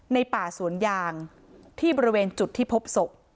ในป่าสวนยางที่บริเวณจุดที่พบศพ